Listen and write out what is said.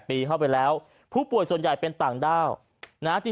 ๗๘ปีเข้าไปแล้วผู้ป่วยส่วนใหญ่เป็นต่างดาว